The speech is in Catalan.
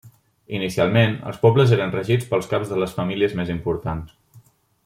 Inicialment, els pobles eren regits pels caps de les famílies més importants.